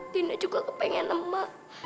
dina juga kepengen emak